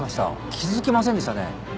気付きませんでしたね。